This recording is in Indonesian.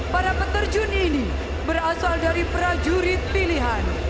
para peterjun ini berasal dari prajurit pilihan